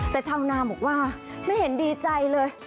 แต่ชาวนาบอกว่าไม่เห็นดีใจเลย